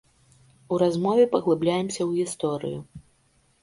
У размове паглыбляемся ў гісторыю.